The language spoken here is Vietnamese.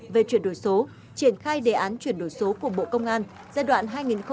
về chuyển đổi số triển khai đề án chuyển đổi số của bộ công an giai đoạn hai nghìn hai mươi hai nghìn hai mươi năm